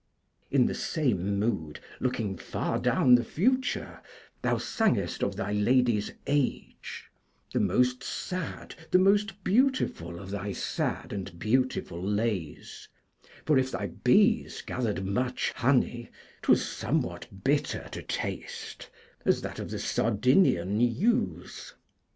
In the same mood, looking far down the future, thou sangest of thy lady's age, the most sad, the most beautiful of thy sad and beautiful lays; for if thy bees gathered much honey 't was somewhat bitter to taste, as that of the Sardinian yews.